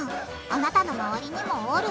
あなたの周りにもおる？